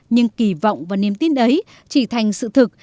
nhưng kỳ vọng và niềm tin ấy chỉ thành sự thực